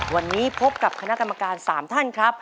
วันนี้พบกับคณะกรรมการ๓ท่านครับ